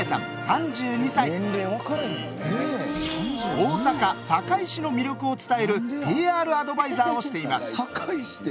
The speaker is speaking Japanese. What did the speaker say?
大阪・堺市の魅力を伝えるＰＲアドバイザーをしています。